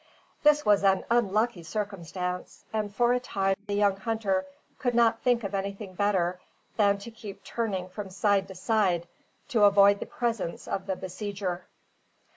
This was an unlucky circumstance; and for a time the young hunter could not think of anything better than to keep turning from side to side, to avoid the presence of the besieger.